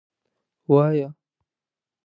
وایه.